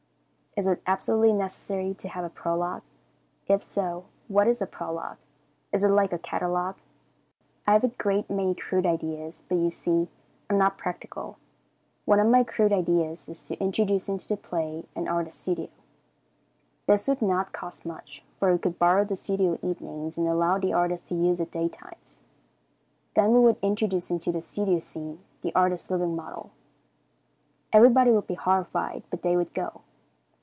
Is it absolutely necessary to have a prologue? If so, what is a prologue? Is it like a catalogue? I have a great many crude ideas, but you see I am not practical. One of my crude ideas is to introduce into the play an artist's studio. This would not cost much, for we could borrow the studio evenings and allow the artist to use it daytimes. Then we would introduce into the studio scene the artist's living model. Everybody would be horrified, but they would go.